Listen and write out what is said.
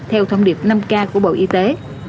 theo thông điệp năm k của bộ y tế